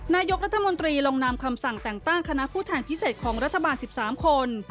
นายกรัฐมนตรีลงนามคำสั่งแต่งตั้งคณะผู้แทนพิเศษของรัฐบาล๑๓คน